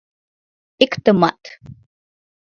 — Иктымат.